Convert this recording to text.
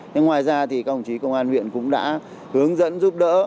nhưng ngoài ra thì các ông chí công an huyện cũng đã hướng dẫn giúp đỡ